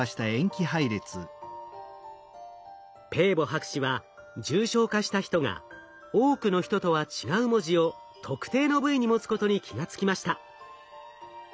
ペーボ博士は重症化した人が多くの人とは違う文字を特定の部位に持つことに気がつきました。